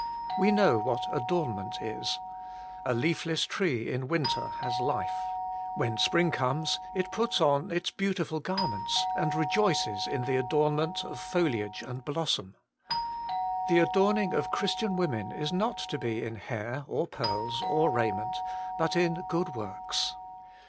We know what adornment is. A leafless tree in win ter has life ; when spring comes it puts on its beautiful garments, and rejoices in the adornment of foliage and blossom. The adorning of Christian women is not to be in hair or pearls or raiment, but in good works.